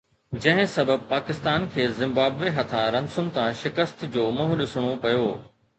جنهن سبب پاڪستان کي زمبابوي هٿان رنسن تان شڪست جو منهن ڏسڻو پيو